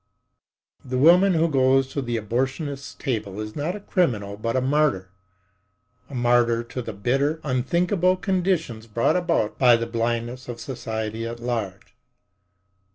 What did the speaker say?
The woman who goes to the abortionist's table is not a criminal but a martyr—a martyr to the bitter, unthinkable conditions brought about by the blindness of society at large.